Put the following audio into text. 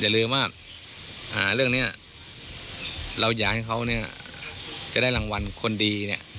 อย่าลืมว่าเรื่องนี้เราอยากให้เขาเนี่ยจะได้รางวัลคนดีเนี่ย